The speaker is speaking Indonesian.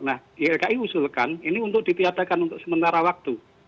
nah ylki usulkan ini untuk ditiadakan untuk sementara waktu